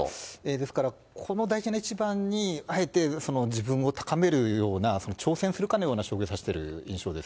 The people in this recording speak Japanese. ですからこの大事な一番に、あえて自分を高めるような、挑戦するかのような将棋を指してる印象です。